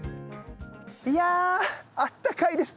いやあったかいです。